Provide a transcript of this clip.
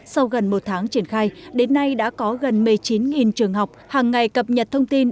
sau gần một tháng triển khai đến nay đã có gần một mươi chín trường học hàng ngày cập nhật thông tin